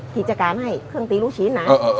กิจการให้เครื่องตีลูกชิ้นนะ